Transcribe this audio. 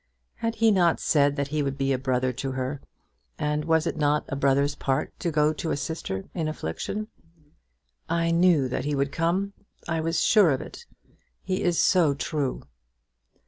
Had he not said that he would be a brother to her, and was it not a brother's part to go to a sister in affliction? "I knew that he would come. I was sure of it. He is so true."